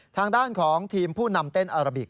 ทางด้านของทีมผู้นำเต้นอาราบิก